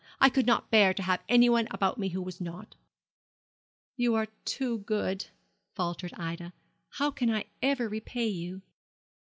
I could not bear to have anyone about me who was not.' 'You are too good,' faltered Ida. 'How can I ever repay you?'